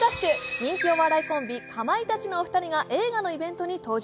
人気お笑いコンビ、かまいたちの２人が映画の記念イベントに登場。